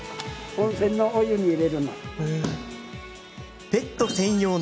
温泉のお湯に入れるの。